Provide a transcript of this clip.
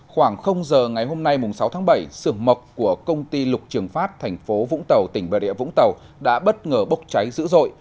khoảng giờ ngày hôm nay sáu tháng bảy sưởng mộc của công ty lục trường phát thành phố vũng tàu tỉnh bà địa vũng tàu đã bất ngờ bốc cháy dữ dội